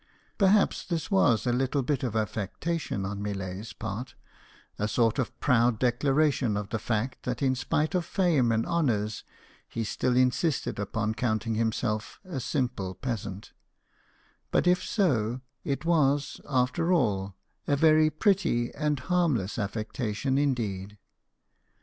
Perhaps this was a little bit of affectation on Millet's part a sort of proud declaration of the fact that in spite of fame and honours he still insisted upon counting himself a simple peasant; but if so, it was, after all, a very pretty and harm less affectation indeed.